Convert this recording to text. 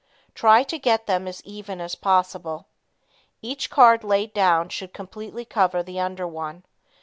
Try to get them as even as possible. Each card laid down should completely cover the under one.